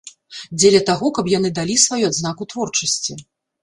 Дзеля таго, каб яны далі сваю адзнаку творчасці.